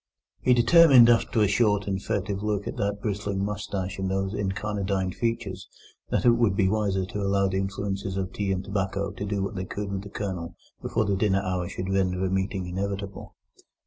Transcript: He determined, after a short and furtive look at that bristling moustache and those incarnadined features, that it would be wiser to allow the influences of tea and tobacco to do what they could with the Colonel before the dinner hour should render a meeting inevitable.